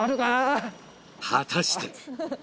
果たして？